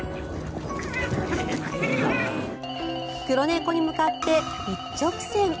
黒猫に向かって一直線。